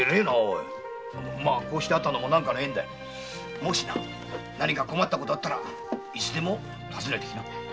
もし困ったことがあったらいつでも訪ねてきな。